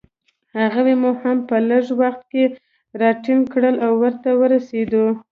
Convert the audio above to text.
هغوی مو هم په لږ وخت کې راټینګ کړل، او ورته ورسېدو.